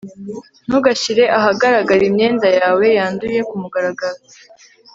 ntugashyire ahagaragara imyenda yawe yanduye kumugaragaro